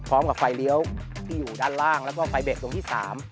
พร้อมกับไฟเลี้ยวที่อยู่ด้านล่างแล้วก็ไฟเบรกตรงที่๓